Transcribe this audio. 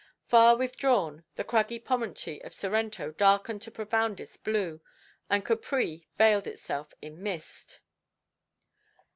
Far withdrawn, the craggy promontory of Sorrento darkened to profoundest blue; and Capri veiled itself in mist.